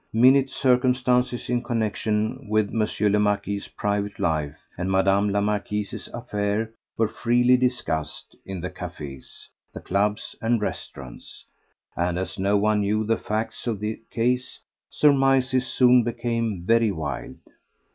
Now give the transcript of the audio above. Minute circumstances in connexion with M. le Marquis's private life and Mme. la Marquise's affairs were freely discussed in the cafés, the clubs and restaurants, and as no one knew the facts of the case, surmises soon became very wild.